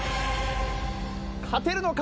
勝てるのか？